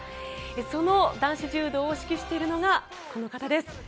その男子柔道を指揮しているのがこの方です。